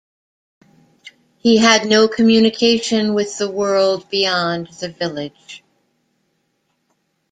He had no communication with the world beyond the village.